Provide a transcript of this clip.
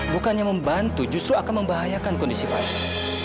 bukannya membantu justru akan membahayakan kondisi pasien